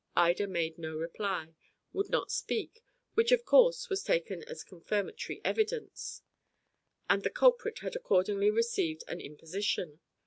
Ida made no reply, would not speak, which of course was taken as confirmatory evidence, and the culprit had accordingly received an imposition.